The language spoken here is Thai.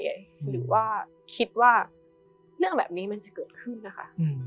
หรือว่าคิดว่าเรื่องแบบนี้มันจะเกิดขึ้นนะคะ